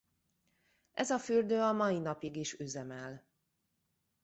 Ez a fürdő a mai napig is üzemel.